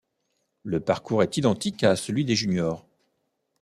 Le parcours est identique à celui des juniors.